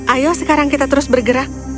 ayo sekarang kita terus bergerak